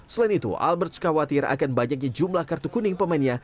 selain itu albert khawatir akan banyaknya jumlah kartu kuning pemainnya